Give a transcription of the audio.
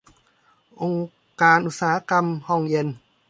องค์การอุตสาหกรรมห้องเย็น